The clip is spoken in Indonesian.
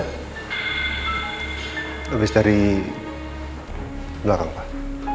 habis dari belakang pak